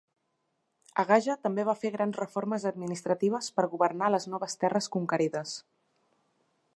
Agaja també va fer grans reformes administratives per governar les noves terres conquerides.